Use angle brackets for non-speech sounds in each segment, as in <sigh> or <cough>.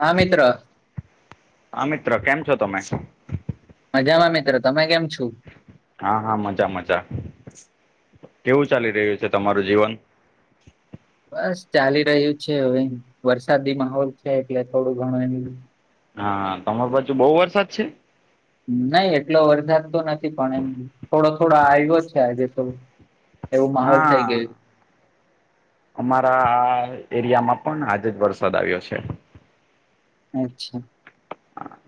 હા મિત્ર હા મિત્ર કેમ છો તમે. મજામાં મિત્ર તમે કેમ છો. હા હા મજામજા કેવું ચાલી રહ્યું છે તમારું જીવન. બસ ચાલી રહ્યું છે હવે વરસાદી માહોલ છે એટલે થોડું ઘણું એ. હા હા તમાર બાજુ બહુ વરસાદ છે. નહી એટલો વરસાદ તો નથી પણ એમ થોડો થોડો આયવો છે આજે તો એવું માહોલ થઈ હા ગયું. અમારા આ એરિયામાં પણ આજે જ વરસાદ આવ્યો છે. અચ્છા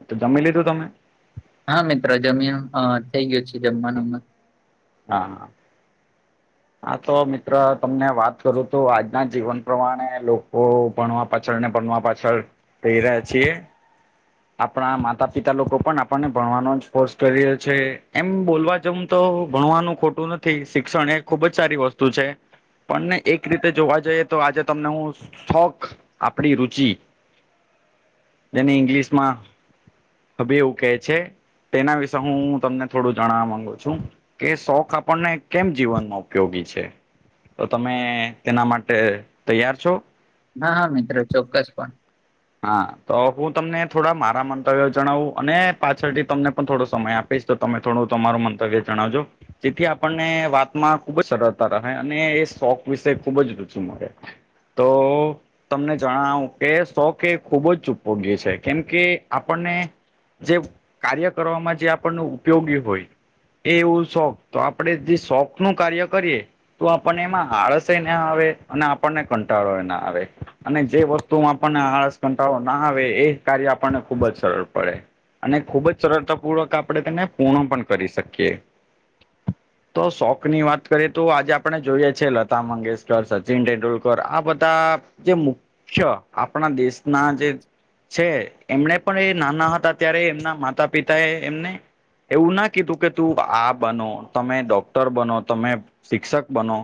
તો જમી લીધું તમે? હા મિત્રો જમીન અ થઈ ગયો છે જમવાનું. હા હા હા તો મિત્ર તમને વાત કરું તો આજના જીવન પ્રમાણે લોકો ભણવા પાછળ ને પણવા પાછળ થઈ રહ્યા છીએ. આપણા માતા પિતા લોકો પણ આપણને ભણવાનો જ કોર્સ કર્યો છે એમ બોલવા જ આજ હું તો ભણવાનું ખોટું નથી શિક્ષણ એ ખુબ જ સારી વસ્તુ છે. પણ ને એક રીતે જોવા જઈએ તો આજે તમને હું શોખ આપડી રુચિ જેને ઇંગ્લિશ માં હવે એવું કહે છે. તેના વિશે હું તમને થોડું જણવા માંગુ છું કે શોખ આપણને કેમ જીવનમાં ઉપયોગી છે, તો તમે તેના માટે તૈયાર છો. હા હા મિત્રો ચોક્કસ પણ હા તો હું તમને થોડા મારા મંતવ્યો જણાવું અને પાછળથી તમને પણ થોડો સમય આપ. તો તમે થોડું તમારું મંતવ્ય જણાવજો જેથી આપણને વાતમાં ખુબ જ સરળતા રહે અને એ શોખ વિશે ખુબ જ રુચુ મળે. તો તમને જણાવું કે શોક કે ખૂબ જ ચૂપયોગી છે કેમ કે આપણને જે કાર્ય કરવામાં જે આપણને ઉપયોગી હોય. એ એવું શોખ તો આપડે જે શોખ નું કાર્ય કરીએ. તો આપણને એમાં આળસ ના આવે અને આપણને કંટાળો ના આવે અને જે વસ્તુ તું આપણને આળસ કંટાળો ના આવે એ કાર્ય આપણને ખુબ જ સરળ પડે. અને ખૂબ જ સરળતાપૂર્વક આપણે તેને પૂર્ણ પણ કરી શકીએ. તો શોક ની વાત કરીએ તો આજે આપણે જોઈએ છેએ લતા મંગેશકર, સચિન તેંડુલકર આ બધા જે મુખ્ય આપણા દેશ ના જે છે એમને પણ એ નાના હતા ત્યારે એમના માતા પિતા એ એમને એવું ના કીધું કે તું આ બનો તમે ડોક્ટર બનો, તમે શિક્ષક બનો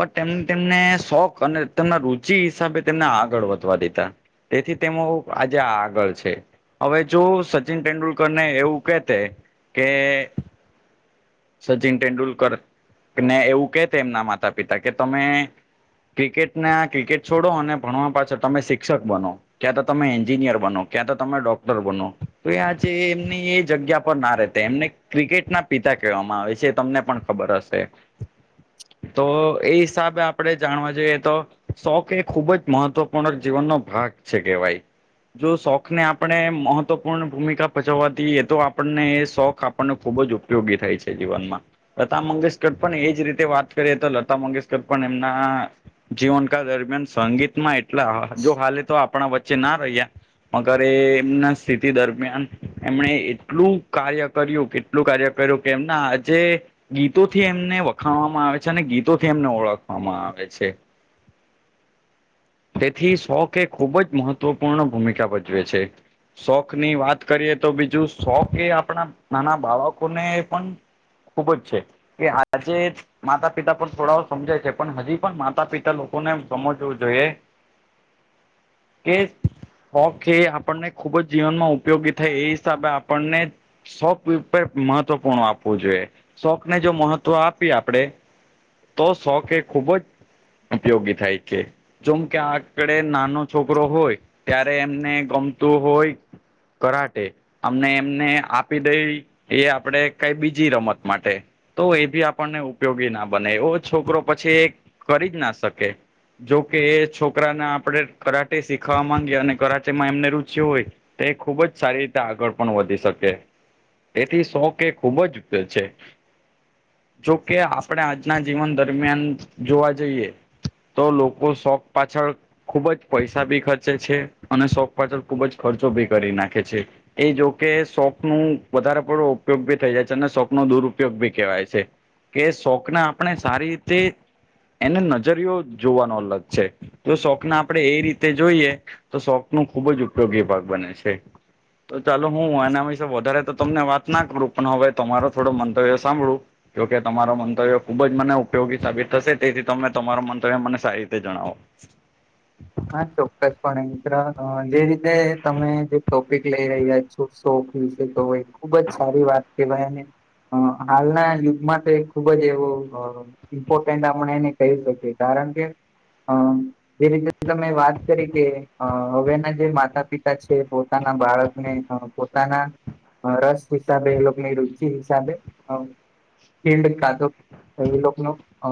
પણ તેમને તેમને શોખ અને તેમના રુચિ હિસાબે તેમને આગળ વધવા દીધા. તેથી તેમાં લોક આજે આગળ છે. હવે જો સચિન તેંડુલકર ને એવું કેતે કે સચિન તેંડુલકર એમને એવું કે તે એમના માતા પિતા કે તમે ક્રિકેટને આ ક્રિકેટ છોડો અને ભણવા પાછો તમે શિક્ષક બનો. ક્યાં તો તમે એન્જિનિયર બનો ક્યાં તો તમે ડોક્ટર બનો તો એજ એમની એ જગ્યા પર ના રહેતે એમને ક્રિકેટના પિતા કહેવામાં આવે છે એ તમને પણ ખબર હશે. તો એ હિસાબે આપણેે જાણવા જઈએ તો શોખ એ ખૂબ જ મહત્વપૂર્ણ જીવનનો ભાગ છે કેહેવાય જો શોખ ને આપણે મહત્વપૂર્ણ ભૂમિકા ભજવવા દએતો આપણને શોખ આપણને ખુબ જ ઉપયોગી થાય છે જીવનમાં લતા મંગેશકર પણ એજ રીતે વાત કરીએ તો લતા મંગેશકર પણ એમના જીવનકાળ દરમિયાન સંગીત માં એટલા જો હાલે તો આપણા વચ્ચે ના રહ્યા. મગર એ એમના સ્થિતિ દરમિયાન એમણે એટલું કાર્ય કર્યું કે એટલું કાર્ય કર્યું કે એમના આજે ગીતોથી એમને વખાણવામાં આવે છે અને ગીતોથી એમને ઓળખવામાં આવે છે. તેથી શોખ એ ખૂબ જ મહત્વપૂર્ણ ભૂમિકા ભજવે છે. શોખ ની વાત કરીએ તો બીજું શોખ એ આપણા નાના બાળકોને પણ ખુબ જ છે કે આજે માતા પિતા પણ થોડાઓ સમજાય છે પણ હજી પણ માતા પિતા લોકોને સમજવું જોએ કે શોખ એ આપણને ખૂબ જ જીવનમાં ઉપયોગી થાય એ હિસાબે આપણને શોખ ઉપર મહત્વપૂર્ણ આપવું જોઈએ શોખ ને જો મહત્વ આપીએ આપડે તો શોખ એ ખુબ જ ઉપયોગી થાય છે જેમ કે આપળે નાનો છોકરો હોય ત્યારે એમને ગમતું હોય કરાટે ને એમને આપી દઈ એ આપડે કઈ બીજી રમત માટે તો એ ભી આપણને ઉપયોગી ના બને એ છોકરો પછી કરી જ ના શકે જોકે એ છોકરાને આપણે કરાટે શીખાવા માંગીએ અને કરાટેમાં એમને રુચિ હોય તે ખુબ જ સારી રીતે આગળ પણ વધી શકે. તેથી શોખ એ ખૂબ જ છે જોકે આ પડે આજના જીવન દરમિયાન જોવા જઈએ તો લોકો શોખ પાછળ ખુબ જ પૈસા ભી ખર્ચે છે, અને શોખ પાછળ ખુબ જ ખર્ચો બી કરી નાખે છે. એ જોકે શોખ નુ વધારે પડો ઉપયોગ ભી થઈ જાય છે અને શોક નો દુરુપયોગ ભી કહેવાય છે. કે શોખ ના આપણે સારી રીતે એને નજરયો જોવાનો અલગ છે તે શોખના આપણે એ રીતે જોઈએ તો શોખનો ખુબ જ ઉપયોગી ભાગ બને છે. તો ચાલો હું એના વિશે વધારે તો તમને વાત ના કરું પણ હવે તમારો થોડો મંતવ્ય સાંભળુ જોકે તમારો મંતવ્ય ખુબ જ મને ઉપયોગી સાબિત થશે તેથી તમે તમારો મંતવ્ય મને સારી રીતે જણાવો. હા ચોક્કસપણે મિત્ર જે રીતે તમે જે ટોપિક લઈ રહ્યા છો શોખ વિશે તો હોય ખુબ જ સારી વાત કેવાય ને હ હાલના યુગમાં તો ખુબ જ એવો ઇમ્પોર્ટન્ટ આપણે એને કહી શકીએ કારણ કે જે રી તમે વાત કરી કે હવેના જે માતા પિતા છે પોતાના બાળકને પણ પોતાના રસ હિસાબે એ લોકોની રુચિ હિસાબે ફિલ્ડ કાં તો એવી લોકો નુ અ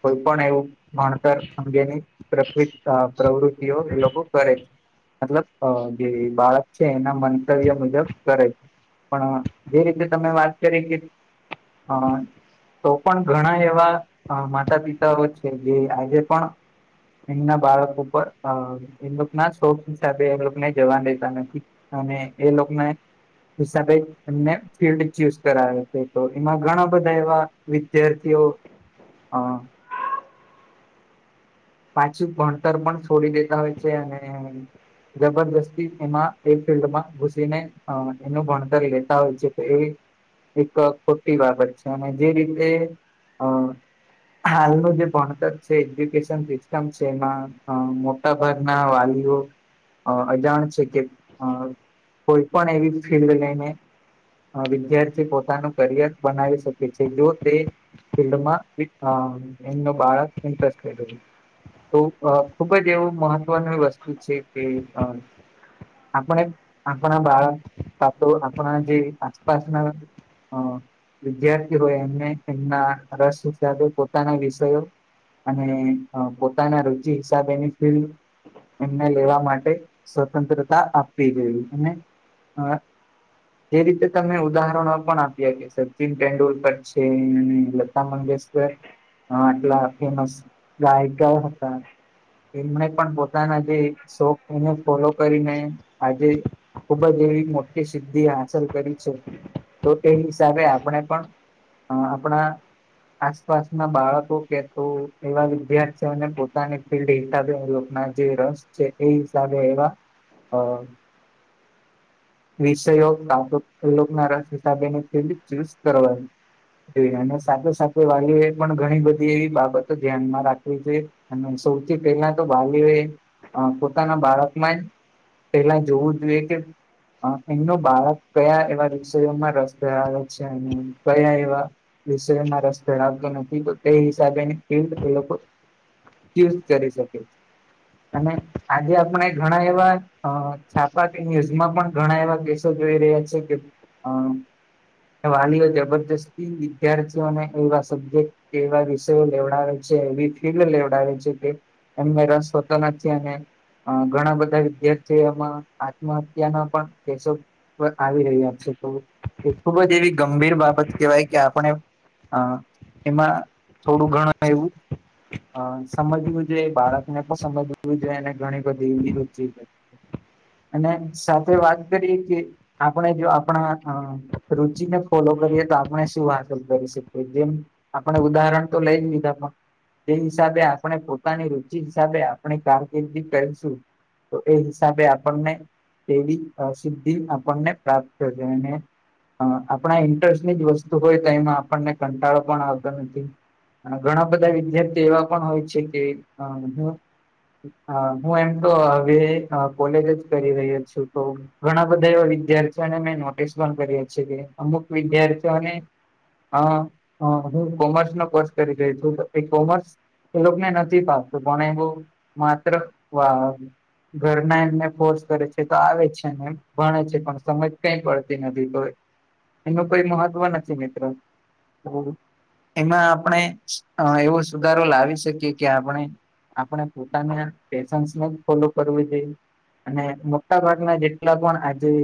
કોઈ પણ એવું ભણતર અંગેની પ્રક્રી અ પ્રવૃતિઓ એ લોકો કરે મતલબ જે બાળક છે એના મંતવ્ય મુજબ કરે છે. પણ જે રીતે તમે વાત કરી કે અ તો પણ ઘણા એવા માતા પિતાઓ છે જે આજે પણ એમના બાળકો ઉપ એમ ના શોખ હિસાબે એ લોકોને જવા દેતા નથી અને એ લોક ને હિસાબે એમને ફિલ્ડ ચુઝ કરાવે છે તો એમાં ઘણા બધા એવા વિદ્યાર્થીઓ અ પાછું ભણતર પણ છોડી દેતા હોય છે અને જબરજસ્તી એમાં એક ફિલ્ડમાં ઘુસીને હ એનું ભણતર લેતા હોય છે તો એ એક ખોટી બાબત છે અને જે રીતે અ હાલનું જે ભણતર છે એજ્યુકેશન સી સ્ટમ છે એમાં અ મોટા ભાગના વાલીઓ અ અજાણ છે કે અ કોઈ પણ એવી ફિલ્ડ લઈને વિદ્યાર્થી પોતાનું કરિયર બનાવી શકે છે જો તે ફિલ્ડમાં એમનુ બાળક ઇન્ટરેસ્ટેડ‌ હોય. તો ખુબ જ એવું મહત્વનું એ વસ્તુ છે કે‌ અ આપણે આપણા બાળક કાંતો આપણા જે આસપાસ ના હ વિદ્યાર્થી હોય એમને એમના રસ હીસાબે પોતાના વિષયો અને પોતાના રુચિ હિસાબેની ફિલ્ડ એમને લેવા માટે સ્વતંત્રતા આપવી જોઈએ અને અ જે રીતે તમે ઉદાહરણો પણ આપ્યા કે સચિન તેંડુલકર છે અને લતા મંગેશ કર આટલા ફેમસ ગાયિકા ઓ હતા એમને પણ પોતાના જે શોખ એને ફોલો કરીને આજે ખૂબ જ એવી મોટી સિદ્ધિ હાંસલ કરી છે, તો તે હિસાબે આપણે પણ અ આપણા આસપાસ ના બાળકો કે તો એવા વિદ્યાર્થીઓને પોતાની ફિલ્ડ હિસાબે લોકના જે રસ છે, એ હિસાબે એવા હા વિષયોલોકના રસ હિસાબેની ફિલ્ડ ચૂઝ કરવા એ અને સાથે સાથે વાલીઓ એ પણ ઘણી બધી એવી બાબતો ધ્યાનમાં રાખી જોઈ અને સૌથી પહેલા તો વાલીઓ એ પોતાના બાળકમાં જ પેલા જોવું જોઈએ કે એમનો બાળક કયા એવા વિષયોમાં રસ <inaudible> વિષયમાં રસ ધરાાવતો નથી તો તે હિસાબે એ લોકો યુઝ કરી શકે છે, અને આજે આપણે ઘણા એવા છાપાકી ન્યુઝમાં પણ ઘણા એવા કેસો જોઈ રહ્યા છે, કે <unintelligible> વાલીઓ જબરજસ્તી વિદ્યાર્થીઓને એવા સબ્જેક્ટ એવા વિષયો લેવડાવે છે, એવી ફીડ લેવડાવે છે, કે એમ રસ હોતો નથી અને ઘણા બધા વિદ્યાર્થીઓ એમાં આત્મહત્યાના પણ કેસો આવી રહ્યા છે, તો એ ખૂબ જ એવી ગંભીર બાબત કેહેવાય કે આપણે હ એમાં થોડું ઘણું એવું હ સમજવું જોઈએ ભારત ને પણ સમજવું જોઈએ અને ઘણી બધી એવી ર અને સાથે વાત કરીએ કે આપણે જો આપણા રુચિને ફોલો કરીએ તો આપણે શું હાંસલ કરી શકીએ જેમ આપણે ઉદાહરણ તો લઈ જ લીધા પણ તે હિસાબે આપણે પોતાની રુચિ હિસાબે આપણે કારકિર્દી કરીશું તો એ હિસાબે આપણને તેવી સિદ્ધિ આપણને પ્રાપ્ત થશે. અને. આપણા ઇન્ટરેસ્ટની જ વસ્તુ હોય તો એમાં આપણને કંટાળો પણ આવતો નથી. અને ઘણા બધા વિદ્યાર્થી એવા પણ હોય છે, કે હ હું એમ તો હવે કોલેજ જ કરી રહ્યો છું તો. ઘણા બધા એવા વિદ્યાર્થીઓને મેં નોટિસ પણ કરીએ છીએ. કે અમુક વિદ્યાર્થીઓને. હ હું કોમર્સ નો કોર્સ કરી રહી છું, તો એ કોમર્સ. એ લોકોને નથી ફાવતું પણ એવું માત્ર વા ઘરના એમને ફોર્સ કરે છે, તો આવે છે, એમ ભણે છે, પણ સમજ કઈ પડતી નથી હો. એનું કઈ મહત્વ નથી મિત્રો. તો એમાં આપણે એવો સુધારો લાવી શકીએ કે આપણે. આપણે પોતાને પેશન્ને જ ફોલો કરવું જોઈએ. અને મોટા ભાગના જેટલા પણ આજે.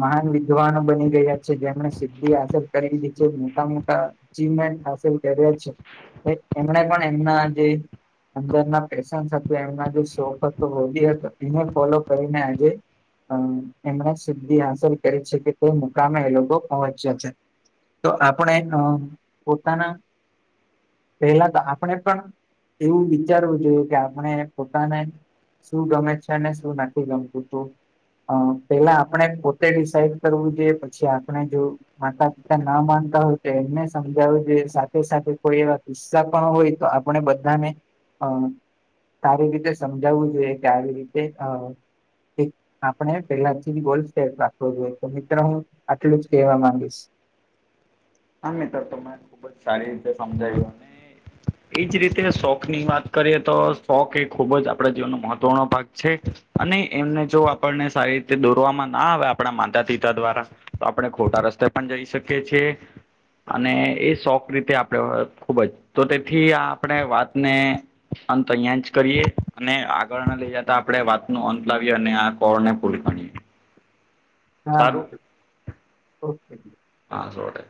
મહાન વિદ્વાનો બની ગયા છે, જેમણે સિદ્ધિ હાંલ કરી દીધી છે, મોટા મોટા. જીમેન્ટ હસીલ કરિયે છે. એમને પણ એમના જે. અંદરના પેશન્ સાથે એમના જે શોફ હતા હોડી હતો એને ફોલો કરીને આજે. અ એમણે સિદ્ધિ હાંસલ કરી છે, કે તે મુકામે એ લોકો પહોંચ્યા છે. તો આપણે અ પોતાના. પેલા તો આપણે પણ એવું વિચારવું જોઈએ કે આપણે પોતાના. શું ગમે છે, અને શું નથી ગમતું તું. અ પેલા આપણે પોતે ડિસાઈડ કરવું જોઈએ પછી આપણે જો. માતા પિતા ના માનતા હોય તો એમને સમજાવવું જોઈએ સાથે સાથે. કોઈ એવા કિસ્સા પણ હોય તો આપણે બધાને અ. સારી રીતે સમજાવવું જોઈએ કે આવી રીતે અ એક. આપણે પેલાથી <unintelligible> સેપ રાખવો જોઈએ. તો મિત્રો હું આટલું જ કેહેવા માંગીશ. હા મિત્ર તો મને ખુબ જ સારી રીતે સમજાવ્યું. એજ રીતે શોખ ની વાત કરીએ તો શોખ એ ખુબ જ આપડા જીવનનો મહત્વનો ભાગ છે. અને એમને જો આપણને સારી રીતે દોરવામાં ના આવે આપણા માતા પિતા દ્વારા. તો આપણે ખોટા રસ્તે પણ જઈ શકીએ છીએ અને એ શોખ રીતે આપણે ખૂબ જ તો તેથી આ આપણે વાતને અંત અહિયાં જ કરીએ અને આગળ ના લઇ જતા આપે વાત ન અંત લાવીએ અને આ <unintelligible> કરીએ હા, ઓકે. હા, સોડે